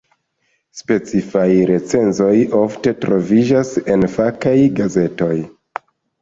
Specifaj recenzoj ofte troviĝas en fakaj gazetoj.